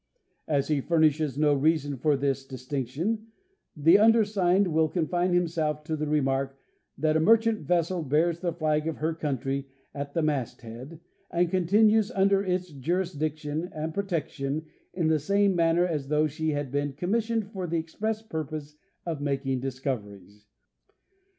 As he furnishes no reason for this dis tinction, the undersigned will confine himself to the remark that a mer chant vessel bears the flag of her country at the masthead, and continues under its jurisdiction and protection in the same manner as though she had been commissioned for the express purpose of making discoveries."